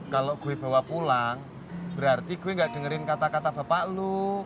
kalau gue bawa pulang berarti gue gak dengerin kata kata bapak lu